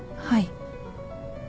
はい。